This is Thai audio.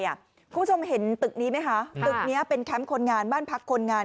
คุณผู้ชมเห็นตึกนี้ไหมคะตึกนี้เป็นแคมป์คนงานบ้านพักคนงาน